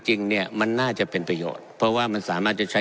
จริงเนี่ยมันน่าจะเป็นประโยชน์เพราะว่ามันสามารถจะใช้